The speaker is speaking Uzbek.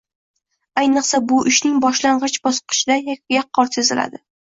Ayniqsa bu ishning boshlang’ich bosqichida yaqqol seziladi.